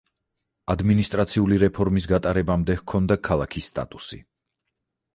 ადმინისტრაციული რეფორმის გატარებამდე ჰქონდა ქალაქის სტატუსი.